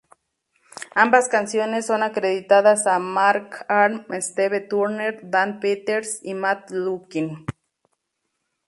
Ambas canciones son acreditadas a Mark Arm, Steve Turner, Dan Peters y Matt Lukin.